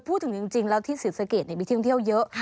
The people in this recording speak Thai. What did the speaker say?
พูดถึงจริงแล้วที่ศรีสะเกดมีที่ท่องเที่ยวเยอะ